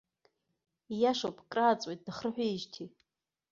Иашоуп, крааҵуеит дахырҳәеижьҭеи.